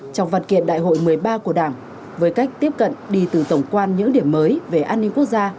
trong văn kiện đại hội một mươi ba của đảng với cách tiếp cận đi từ tổng quan những điểm mới về an ninh quốc gia